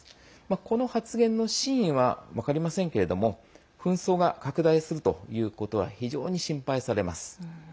この発言の真意は分かりませんけれども紛争が拡大するということは非常に心配されます。